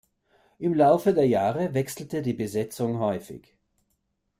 Im Laufe der Jahre wechselte die Besetzung häufig.